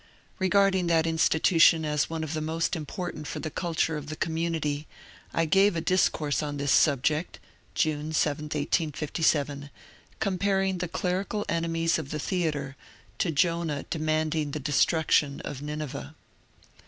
Regarding that institution as one of the most important for the culture of the com munity, I gave a discourse on this subject (June 7, 1857), comparing the clerical enemies of the theatre to Jonah de manding the destruction of Nineveh.